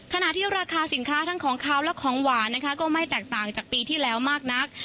ขณะที่ราคาสินค้าทั้งของขาวและของหวานนะคะก็ไม่แตกต่างจากปีที่แล้วมากนัก